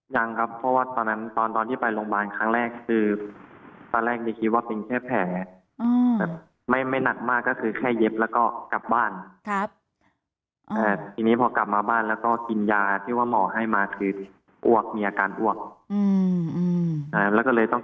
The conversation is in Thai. ยังครับเพราะว่าตอนนั้นตอนที่ไปโรงพยาบาลครั้งแรกคือตอนแรกผมคิดว่ามีเพยรแพง